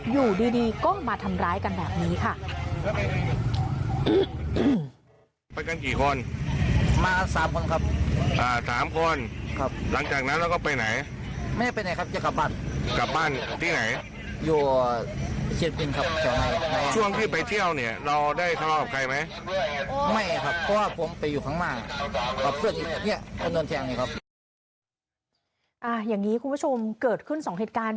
อยู่ดีก็มาทำร้ายกันแบบนี้ค่ะ